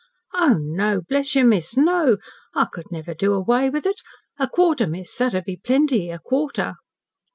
"Oh, no! Bless you, miss, no! I couldn't never do away with it. A quarter, miss that'd be plenty a quarter."